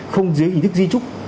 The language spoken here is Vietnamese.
không dưới hình thức di trúc